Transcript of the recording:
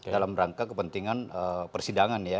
dalam rangka kepentingan persidangan ya